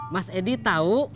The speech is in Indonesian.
mas edi tahu